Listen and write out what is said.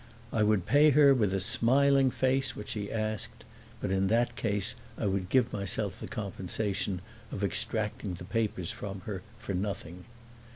I would pay her with a smiling face what she asked, but in that case I would give myself the compensation of extracting the papers from her for nothing.